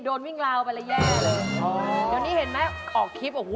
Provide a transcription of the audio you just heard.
โดนวิ่งราวไปเหลือแย่เลยอย่างนี้เห็นไหมออกคลิปโอ้โฮ